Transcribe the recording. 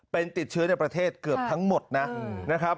เป็นติดเชื้อในประเทศเกือบทั้งหมดนะครับ